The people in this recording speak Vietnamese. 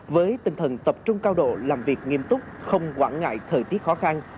với tinh thần tập trung cao độ làm việc nghiêm túc không quản ngại thời tiết khó khăn